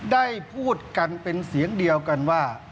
ได้พูดกันเป็นเสียงเดียวกันว่า